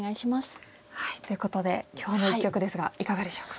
ということで今日の一局ですがいかがでしょうか？